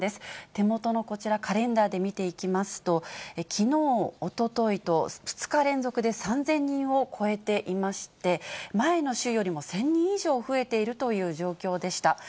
手元のこちら、カレンダーで見ていきますと、きのう、おとといと、２日連続で３０００人を超えていまして、前の週よりも１０００人以上増えているという状況でした。